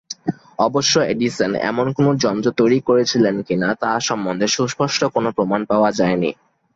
অবশ্য এডিসন এমন কোন যন্ত্র তৈরি করেছিলেন কি-না তা সম্বন্ধে সুস্পষ্ট কোন প্রমাণ পাওয়া যায়নি।